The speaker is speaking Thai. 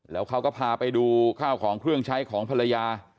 แล้วเขาก็พาไปดูข้าวของเครื่องใช้ของภรรยา